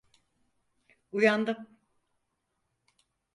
Uyandım.